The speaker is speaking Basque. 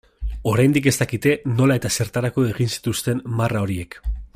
Oraindik ez dakite nola eta zertarako egin zituzten marra horiek.